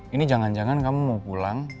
ini jangan jangan kamu mau pulang